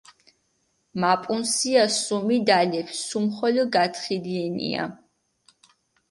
მა პუნსია სუმი დალეფი, სუმხოლო გათხილიენია.